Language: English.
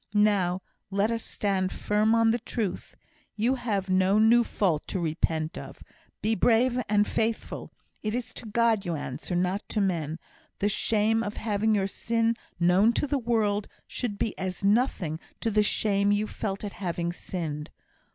Now, let us stand firm on the truth. You have no new fault to repent of. Be brave and faithful. It is to God you answer, not to men. The shame of having your sin known to the world, should be as nothing to the shame you felt at having sinned.